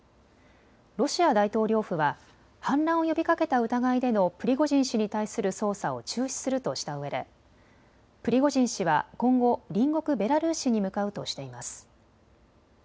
ロシア大統領府は反乱を呼びかけた疑いでのプリゴジン氏に対する捜査を中止するとしたうえでプリゴジン氏は今後、隣国ベラルーシに向かうとしています。